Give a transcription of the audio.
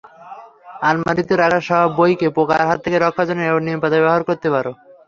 আলমারিতে রাখা বইকে পোকার হাত থেকে রক্ষার জন্য নিমপাতা ব্যবহার করতে পারো।